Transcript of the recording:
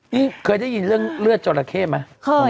นี่เคยได้ยินเรื่องเลือดจอราเข้ไหม